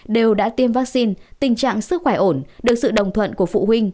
đều đã tiêm vaccine tình trạng sức khỏe ổn được sự đồng thuận của phụ huynh